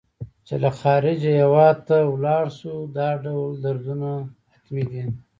چې له خارجه هېواد ته ولاړ شو دا ډول دردونه حتمي دي.